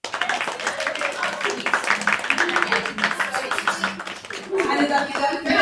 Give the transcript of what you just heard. kwa sababu ee tunapoona kwamba mahakama imewaamrisha wafike huko